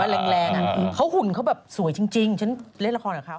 เอาแจ็คเก็ตมาทำเสื้อลายสก็อตเข้าไปนะ